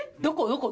どこ？